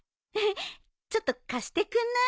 ちょっと貸してくんない？